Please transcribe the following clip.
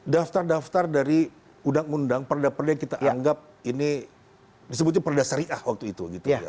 daftar daftar dari undang undang perda perda yang kita anggap ini disebutnya perda syariah waktu itu